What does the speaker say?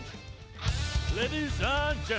สวัสดีครับทุกคน